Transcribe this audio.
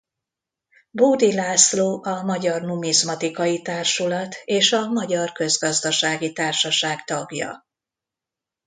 Bódy László a Magyar Numizmatikai Társulat és a Magyar Közgazdasági Társaság tagja.